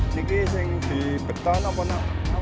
sini di beton apa